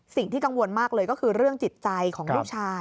สิ่งที่กังวลมากเลยก็คือเรื่องจิตใจของลูกชาย